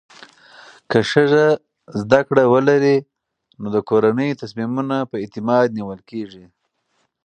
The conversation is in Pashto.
که ښځه زده کړه ولري، نو د کورنۍ تصمیمونه په اعتماد نیول کېږي.